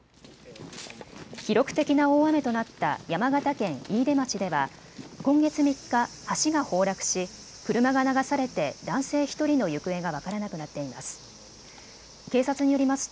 記録的な大雨となった山形県飯豊町では今月３日、橋が崩落し車が流されて男性１人の行方が分からなくなっています。